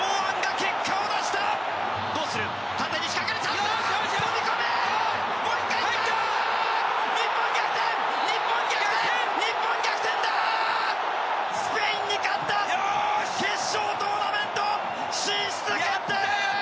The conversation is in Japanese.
決勝トーナメント進出決定！